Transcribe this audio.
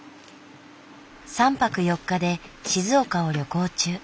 ３泊４日で静岡を旅行中。